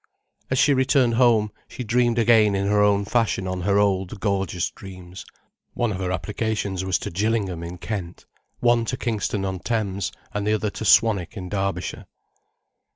As she returned home, she dreamed again in her own fashion her old, gorgeous dreams. One of her applications was to Gillingham, in Kent, one to Kingston on Thames, and one to Swanwick in Derbyshire.